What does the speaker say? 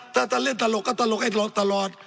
ถ้าจะเล่นตลกก็ตลกให้ตลกตลอด